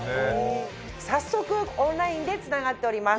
早速オンラインでつながっております。